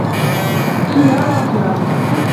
إلَّا ظَافِرًا